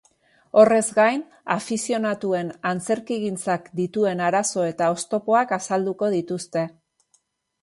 Horrez gain, afizionatuen antzerkigintzak dituen arazo eta oztopoak azalduko dituzte.